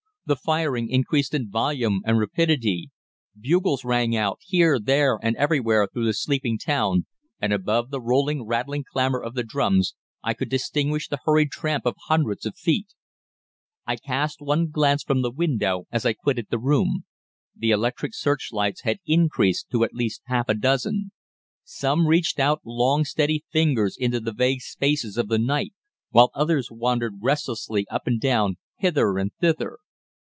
The firing increased in volume and rapidity; bugles rang out here, there, and everywhere through the sleeping town, and above the rolling, rattling clamour of the drums I could distinguish the hurried tramp of hundreds of feet. "I cast one glance from the window as I quitted the room. The electric searchlights had increased to at least half a dozen. Some reached out long, steady fingers into the vague spaces of the night, while others wandered restlessly up and down, hither and thither.